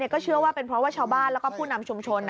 ก็เชื่อว่าเป็นเพราะว่าชาวบ้านแล้วก็ผู้นำชุมชน